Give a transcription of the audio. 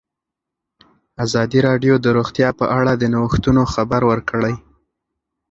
ازادي راډیو د روغتیا په اړه د نوښتونو خبر ورکړی.